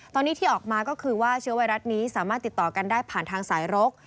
ตอนนี้ที่ออกมาก็คือว่าเชื้อไวรัสนี้สามารถติดต่อกันได้ผ่านทางสายรก